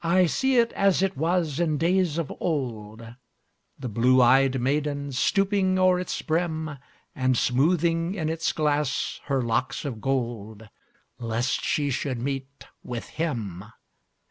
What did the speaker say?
I see it as it was in days of old, The blue ey'd maiden stooping o'er its brim, And smoothing in its glass her locks of gold, Lest she should meet with him.